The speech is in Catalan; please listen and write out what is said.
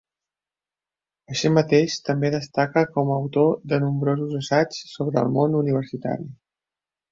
Així mateix també destaca com a autor de nombrosos assaigs sobre el món universitari.